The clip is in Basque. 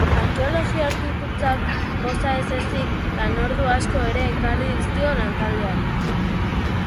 Arkeologia aurkikuntzak, poza ez ezik, lanordu asko ere ekarri dizkio lantaldeari.